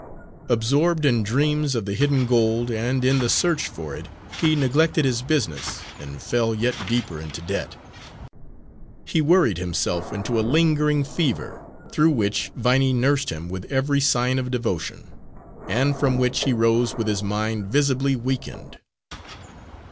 Absorbed in dreams of the hidden gold and in the search for it, he neglected his business and fell yet deeper into debt. He worried himself into a lingering fever, through which Viney nursed him with every sign of devotion, and from which he rose with his mind visibly weakened.